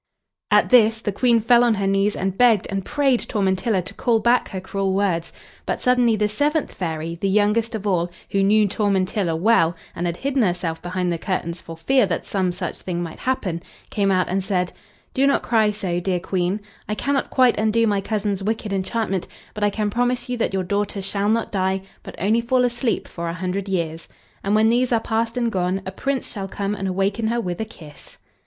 At this the Queen fell on her knees and begged and prayed Tormentilla to call back her cruel words; but suddenly the seventh fairy, the youngest of all, who knew Tormentilla well, and had hidden herself behind the curtains for fear that some such thing might happen, came out and said: "Do not cry so, dear Queen; I cannot quite undo my cousin's wicked enchantment, but I can promise you that your daughter shall not die, but only fall asleep for a hundred years. And, when these are past and gone, a Prince shall come and awaken her with a kiss."